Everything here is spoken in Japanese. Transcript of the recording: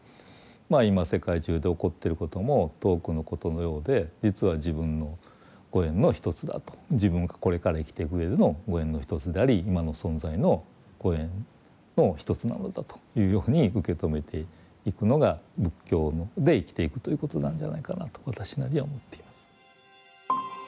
まあ今世界中で起こっていることも遠くのことのようで実は自分のご縁の一つだと自分がこれから生きていくうえでのご縁の一つであり今の存在のご縁の一つなのだというように受け止めていくのが仏教で生きていくということなんじゃないかなと私なりには思っています。